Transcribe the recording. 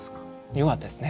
よかったですね。